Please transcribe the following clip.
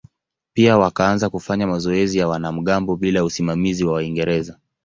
Pia wakaanza kufanya mazoezi ya wanamgambo bila usimamizi wa Waingereza.